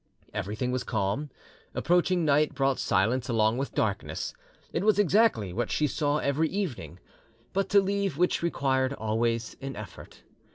Everything was calm; approaching night brought silence along with darkness: it was exactly what she saw every evening, but to leave which required always an effort.